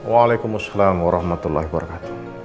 waalaikumsalam warahmatullahi wabarakatuh